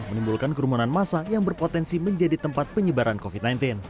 menimbulkan kerumunan masa yang berpotensi menjadi tempat penyebaran covid sembilan belas